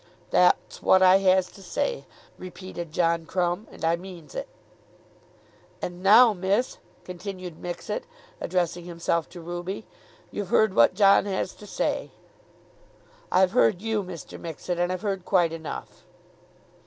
"That's what I has to say," repeated John Crumb, "and I means it." "And now, miss," continued Mixet, addressing himself to Ruby, "you've heard what John has to say." "I've heard you, Mr. Mixet, and I've heard quite enough."